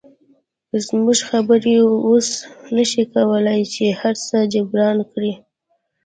زموږ خبرې اوس نشي کولی چې هرڅه جبران کړي